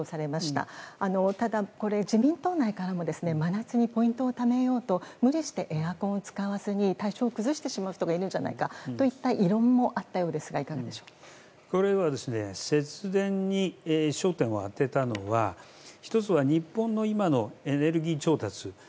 ただ、自民党内からも真夏にポイントをためようと無理してエアコンを使わずに体調を崩してしまう方がいるんじゃないかといった異論もあったようですが節電に焦点に当てたのは１つは日本の今のエネルギー調達。